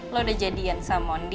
lo udah jadi yansa mondi